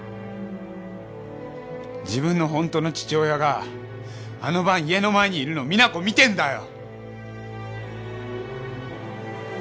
自分の本当の父親があの晩家の前にいるのを実那子見てんだよ！